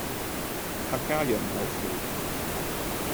客家釀豆腐